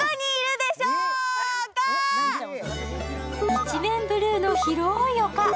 一面ブルーの広い丘。